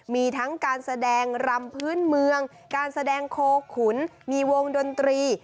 มีทั้งการแสดงรำพื้นเมืองการแสดงโคขุนมีวงดนตรี